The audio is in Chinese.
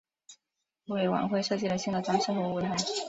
为晚会设计了新的装饰和舞台。